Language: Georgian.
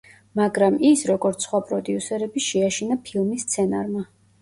მაგრამ ის, როგორც სხვა პროდიუსერები შეაშინა ფილმის სცენარმა.